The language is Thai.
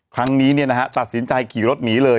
ครั้งนี้ตัดสินใจขี่รถหนีเลย